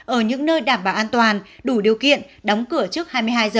ở những nơi đảm bảo an toàn đủ điều kiện đóng cửa trước hai mươi hai h